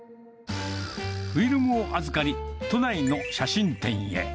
フィルムを預かり、都内の写真店へ。